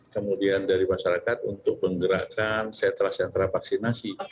kemudian dari masyarakat untuk menggerakkan sentra sentra vaksinasi